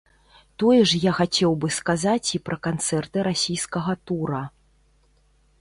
Тое ж я хацеў бы сказаць і пра канцэрты расійскага тура.